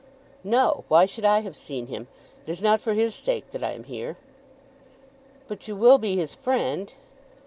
"No; why should I have seen him? It is not for his sake that I am here." "But you will be his friend?"